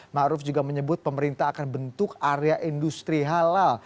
maruf juga menyebut pemerintah akan bentuk area industri halal